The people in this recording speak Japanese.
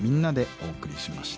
お送りしました。